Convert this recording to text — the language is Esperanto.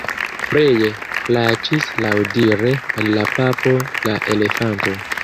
Pleje plaĉis laŭdire al la papo la elefanto.